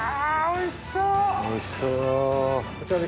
おいしそう！